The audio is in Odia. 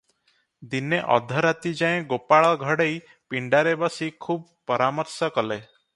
ଦିନେ ଅଧରାତି ଯାଏ ଗୋପାଳ ଘଡେଇ ପିଣ୍ଡାରେ ବସି ଖୁବ୍ ପରାମର୍ଶ କଲେ ।